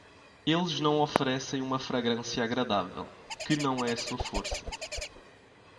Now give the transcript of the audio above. Eles não oferecem uma fragrância agradável, que não é a sua força.